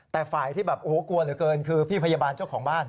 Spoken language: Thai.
แต่ฝ่ายที่กลัวเกินคือพี่พยาบาลเจ้าของบ้าน